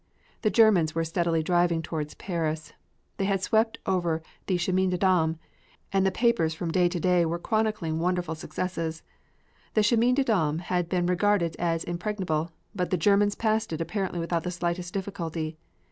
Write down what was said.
The Germans were steadily driving toward Paris. They had swept over the Chemin des Dames and the papers from day to day were chronicling wonderful successes. The Chemin des Dames had been regarded as impregnable, but the Germans passed it apparently without the slightest difficulty.